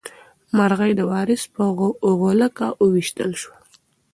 مرغۍ د وارث په غولکه وویشتل شوه.